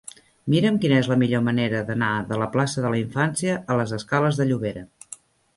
Mira'm quina és la millor manera d'anar de la plaça de la Infància a la escales de Llobera.